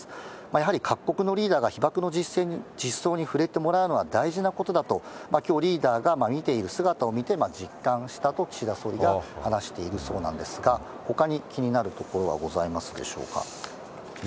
やはり各国のリーダーが被爆の実相に触れてもらうのは大事なことだと、きょうリーダーが見ている姿を見て、実感したと岸田総理が話しているそうなんですが、ほかに気になるところはございますでしょうか。